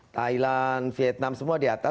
thailand vietnam semua di atas